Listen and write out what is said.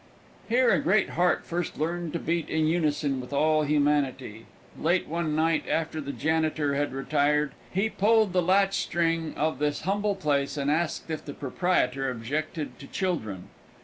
Here a great heart first learned to beat in unison with all humanity. Late one night, after the janitor had retired, he pulled the latch string of this humble place and asked if the proprietor objected to children.